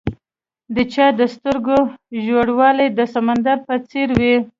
د چا د سترګو ژوروالی د سمندر په څېر وي.